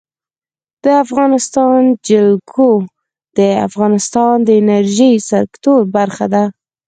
د افغانستان جلکو د افغانستان د انرژۍ سکتور برخه ده.